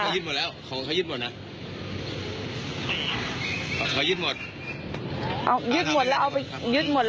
มันเค้ายิดหมดแล้วของเค้ายิดหมดนะ